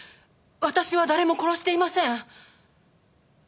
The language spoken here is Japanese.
私は誰も殺していません。